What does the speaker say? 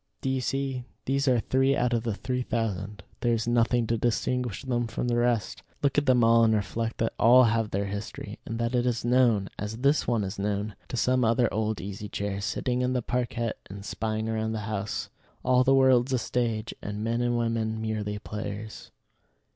Do you see? These are three out of the three thousand. There is nothing to distinguish them from the rest. Look at them all, and reflect that all have their history; and that it is known, as this one is known, to some other old Easy Chair, sitting in the parquette and spying round the house. "All the world's a stage, and men and women merely players."